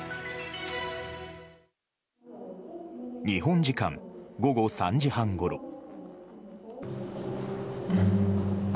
日本時間午後３時半ごろ。